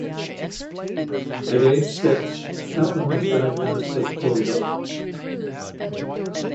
At age six, Caplan was diagnosed with polio.